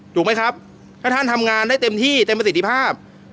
ถูกไหมครับถ้าท่านทำงานได้เต็มที่เต็มประสิทธิภาพ